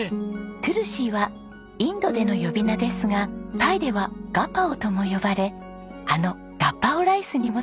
トゥルシーはインドでの呼び名ですがタイではガパオとも呼ばれあのガパオライスにも使われています。